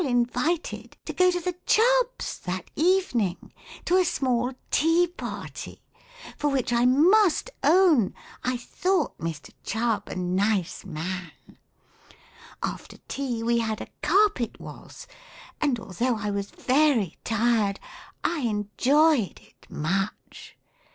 ■ 117 invited to go to the Chubls'' that Evening to a small Tea Party, for which I inxist own I thought Mr. Chuhh a nice man. After tea we had a carpet tvaltz, and although I was very tired I enjoyed it much.